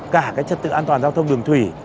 cả cái trật tự an toàn giao thông đường thủy